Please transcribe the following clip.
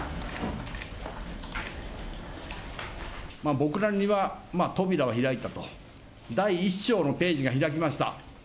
僕らには、扉は開いたと、第１章のページが開きました。